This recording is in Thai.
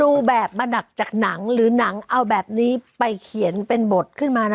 ดูแบบมาดักจากหนังหรือหนังเอาแบบนี้ไปเขียนเป็นบทขึ้นมานะ